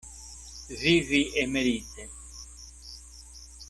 Vivi emerite.